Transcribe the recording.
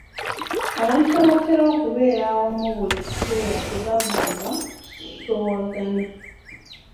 Abantu abatera okubeera awamu buli kiseera tebabulwa kusoowagana.